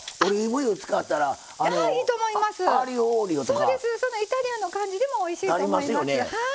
そんなイタリアンの感じでもおいしいと思います。